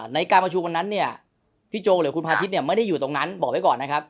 ในการประชุมวันนั้นเนี่ยพี่โจหรือคุณพาทิศเนี่ยไม่ได้อยู่ตรงนั้นบอกไว้ก่อนนะครับ